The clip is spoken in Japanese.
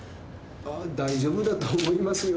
大丈夫だと思いますよ。